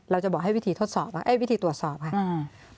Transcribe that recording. เราจะบอกให้วิธีทดสอบค่ะเอ้ยวิธีตรวจสอบค่ะอืม